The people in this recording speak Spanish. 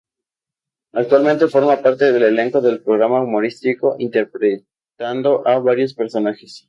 Actualmente forma parte del elenco del programa humorístico interpretando a varios personajes.